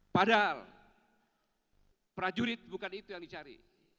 padahal prajurit bukan itu yang dicari